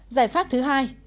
giải pháp thứ hai